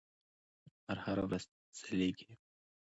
لمر هره ورځ ځلېږي.